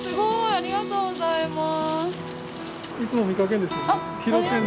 ありがとうございます。